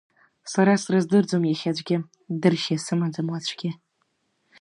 Са срыздырӡом иахьа аӡәгьы, дыршьа сымаӡам уаҵәгьы.